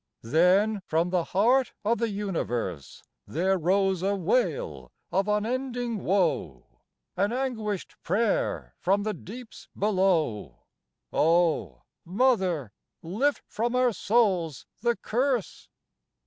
Then from the heart of the Universe There rose a wail of unending woe, An anguished prayer from the deeps below: "Oh! Mother, lift from our souls the curse!"